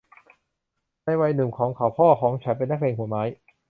ในวัยหนุ่มของเขาพ่อของฉันเป็นนักเลงหัวไม้